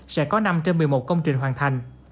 sẽ có năm trên một mươi một công trình hoàn thành